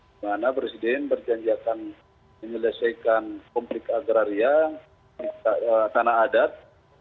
dimana presiden berjanji akan menyelesaikan konflik agraria di tanah adat